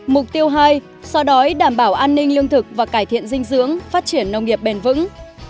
mục tiêu hai so đói đảm bảo an ninh lương thực và cải thiện dinh dưỡng phát triển nông nghiệp bền vững